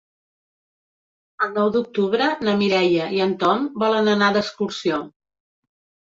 El nou d'octubre na Mireia i en Tom volen anar d'excursió.